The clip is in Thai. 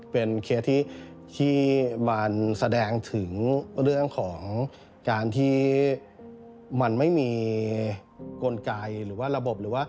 เป็นเคสที่มันแสดงถึงเรื่องของการที่มันไม่มีกลไกหรือว่าระบบหรือว่า